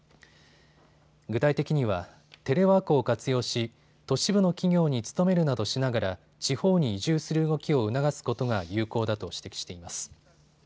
具体的には、テレワークを活用し都市部の企業に勤めるなどしながら地方に移住する動きを促すことが有効だと指摘しています。